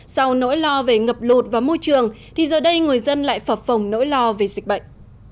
sau nỗi lo về ngập lụt và môi trường thì giờ đây người dân lại phọp phòng nỗi lo về dịch bệnh